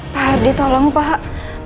pak hardi tolong pak